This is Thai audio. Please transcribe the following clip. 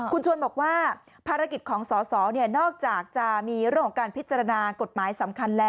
คุณชวนบอกว่าภารกิจของสอสอ